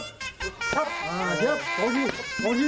ตึง